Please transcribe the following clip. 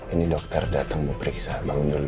ini dokter datang mau periksa bangun dulu